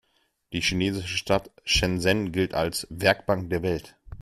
Die chinesische Stadt Shenzhen gilt als „Werkbank der Welt“.